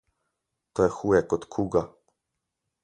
To je huje kot kuga.